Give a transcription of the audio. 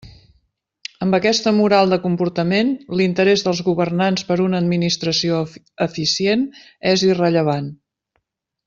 Amb aquesta «moral» de comportament, l'interés dels governants per una administració eficient és irrellevant.